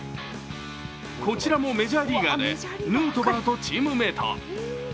こちらもメジャーリーガーとヌートバーとチームメイト。